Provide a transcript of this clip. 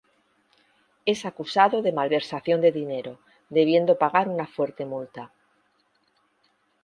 Es acusado por malversación de dinero, debiendo pagar una fuerte multa.